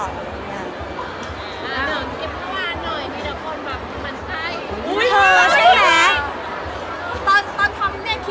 อ๋อเดี๋ยวลองคลิปภาวะหน่อยมีเดี๋ยวคนแบบมันใกล้